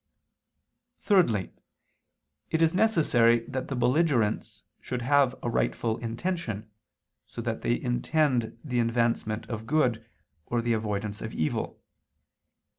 Thirdly, it is necessary that the belligerents should have a rightful intention, so that they intend the advancement of good, or the avoidance of evil.